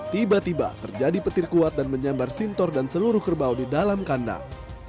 tiba tiba terjadi petir kuat dan menyambar sintor dan seluruh kerbau di dalam kandang